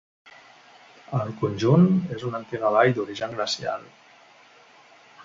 El conjunt és una antiga vall d'origen glacial.